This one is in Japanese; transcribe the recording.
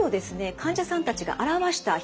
患者さんたちが表した表現